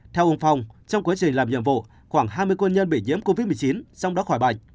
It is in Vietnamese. theo ông phong trong quá trình làm nhiệm vụ khoảng hai mươi quân nhân bị nhiễm covid một mươi chín xong đó khỏi bệnh